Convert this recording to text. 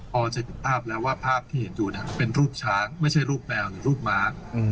พอจะเห็นภาพแล้วว่าภาพที่เห็นอยู่เป็นรูปช้างไม่ใช่รูปแมวหรือรูปม้า